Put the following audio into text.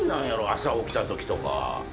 朝起きたときとか。